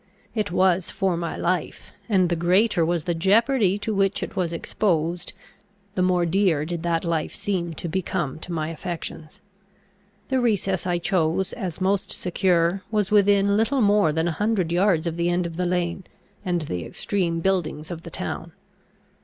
It was for my life; and, the greater was the jeopardy to which it was exposed, the more dear did that life seem to become to my affections. The recess I chose, as most secure, was within little more than a hundred yards of the end of the lane, and the extreme buildings of the town.